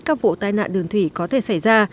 các vụ tai nạn đường thủy có thể xảy ra